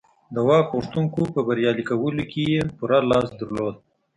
د واک غوښتونکو په بریالي کولو کې یې پوره لاس درلود